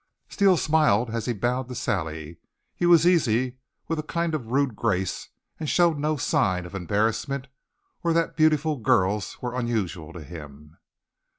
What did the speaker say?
Steele smiled as he bowed to Sally. He was easy, with a kind of rude grace, and showed no sign of embarrassment or that beautiful girls were unusual to him.